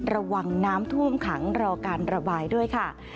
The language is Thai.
ระวังน้ำท่วมขังรอการระบายด้วยค่ะ